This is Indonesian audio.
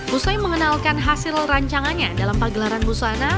usai mengenalkan hasil rancangannya dalam pagelaran busana